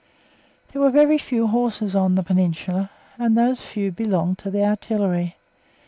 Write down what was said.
There were very few horses on the Peninsula, and those few belonged to the Artillery.